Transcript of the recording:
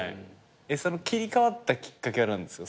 その切り替わったきっかけは何ですか？